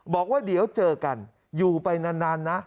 บอกว่าเดี๋ยวเจอกันอยู่ไปนานนะ